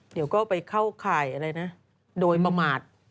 เดี๋ยวก็ไปเข้าข่ายอะไรนะโดยประมาท